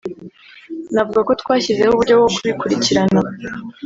navuga ko twashyizeho uburyo bwo kubikurikirana